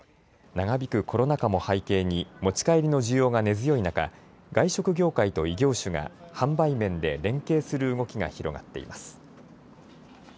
長引くコロナ禍も背景に持ち帰りの需要が根強い中、外食業界と異業種が販売面で連携する動きが広がっています。